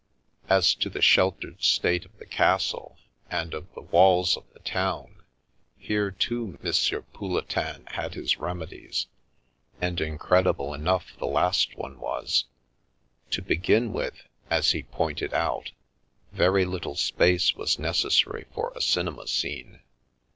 As to the shattered state of the castle and of the walls of the town, here, too, M. Pouletin had his remedies, and incredible enough the last one was. To begin with, as he pointed out, very little space was necessary for a cinema scene.